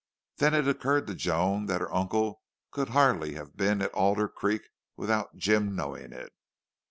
Then it occurred to Joan that her uncle could hardly have been at Alder Creek without Jim knowing it.